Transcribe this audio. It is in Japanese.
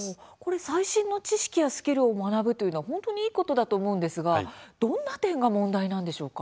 最新の知識やスキルを学ぶというのは本当にいいことだと思うんですがどの点が問題でしょうか。